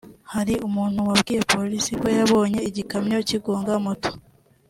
Hari umuntu wabwiye polisi ko yabonye igikamyo kigonga moto